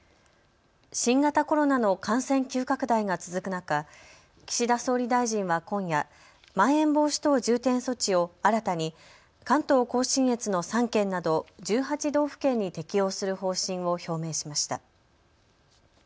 新型コロナの感染急拡大が続く中、岸田総理大臣は今夜、まん延防止等重点措置を新たに関東甲信越の３県など１８道府県に適用する方針を表明しました。